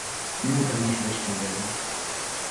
Nunca nos responderon.